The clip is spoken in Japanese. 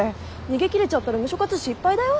逃げ切れちゃったらムショ活失敗だよ。